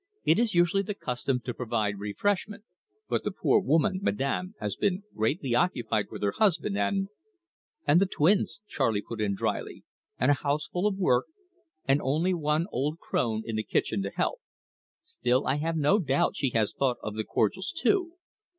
"It is usually the custom to provide refreshment, but the poor woman, madame, has been greatly occupied with her husband, and " "And the twins," Charley put in drily "and a house full of work, and only one old crone in the kitchen to help. Still, I have no doubt she has thought of the cordials too.